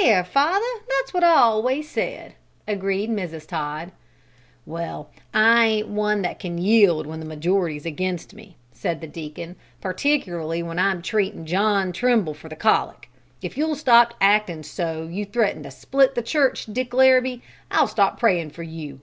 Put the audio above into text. "There, father, that's what I always said," agreed Mrs. Todd. "Well, I ain't one that can't yield when the majority's against me," said the Deacon, "particularly when I'm treatin' John Trimble for the colic. If you'll stop actin' so you threaten to split the church, Dick Larrabee, I'll stop prayin' for you.